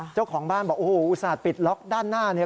เจ้าของบ้านบอกโอ้โหอุตส่าหปิดล็อกด้านหน้าเนี่ย